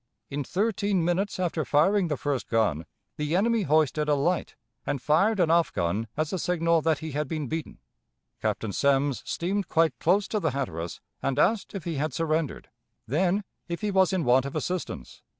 In thirteen minutes after firing the first gun the enemy hoisted a light and fired an off gun as a signal that he had been beaten. Captain Semmes steamed quite close to the Hatteras and asked if he had surrendered; then, if he was in want of assistance.